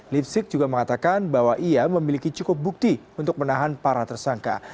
lipsik juga mengatakan bahwa ia memiliki cukup bukti untuk menahan para tersangka